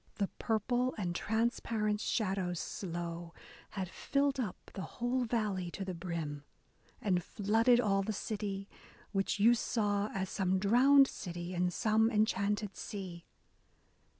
The purple and transparent shadows slow Had filled up the whole valley to the brim. And flooded all the city, which you saw As some drowned city in some enchanted sea.